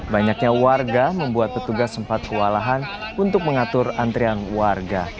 banyaknya warga membuat petugas sempat kewalahan untuk mengatur antrian warga